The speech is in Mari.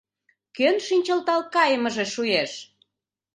Кӧн шинчылдал кайымыже шуэш?